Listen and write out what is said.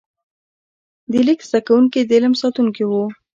د لیک زده کوونکي د علم ساتونکي وو.